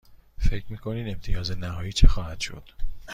فکر می کنید امتیاز نهایی چه خواهد شد؟